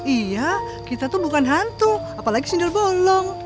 iya kita tuh bukan hantu apalagi sinder bolong